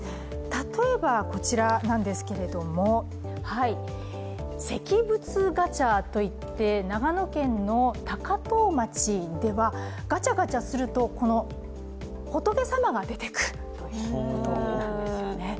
例えばこちらなんですけれども石仏ガチャといって長野県の高遠町ではガチャガチャすると、仏様が出てくるということなんですよね。